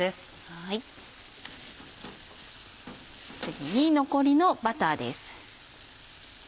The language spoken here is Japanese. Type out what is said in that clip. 次に残りのバターです。